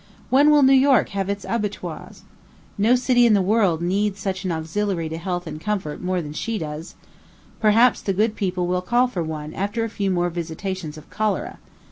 When will New York have its abattoirs? No city in the world needs such an auxiliary to health and comfort more than she does. Perhaps the good people will call for one after a few more visitations of cholera.